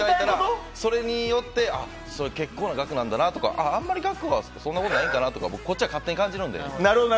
それによって結構な額なんだなとかあんまり額はそんなことないんかなとかこっちが勝手に感じるので。